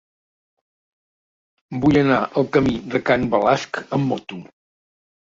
Vull anar al camí de Can Balasc amb moto.